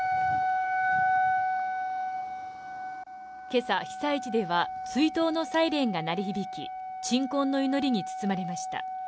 けさ被災地では追悼のサイレンが鳴り響き、鎮魂の祈りに包まれました。